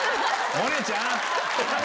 萌音ちゃん！